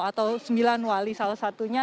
atau sembilan wali salah satunya